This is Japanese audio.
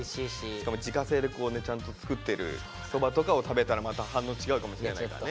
しかも自家製でちゃんと作ってるそばとかを食べたらまた反応違うかもしれないからね。